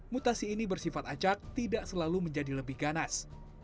mutasi ini bersifat acak tidak selalu menjadi lebih ganas